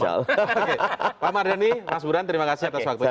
pak mardhani mas burhan terima kasih atas waktunya